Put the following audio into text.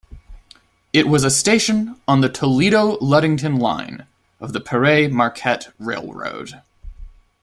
It was a station on the Toledo-Ludington line of the Pere Marquette Railroad.